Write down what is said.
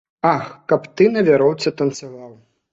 Ах, каб ты на вяроўцы танцаваў.